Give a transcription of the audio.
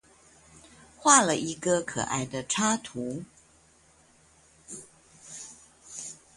畫了一個可愛的插圖